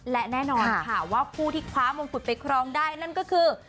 และแน่นอนค่ะว่าผู้ที่คว้ามงกุฎไปครองได้นั่นก็คือ